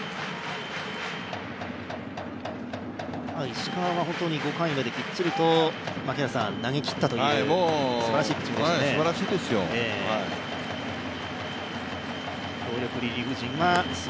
石川は５回まできっちりと投げきったすばらしいピッチングです。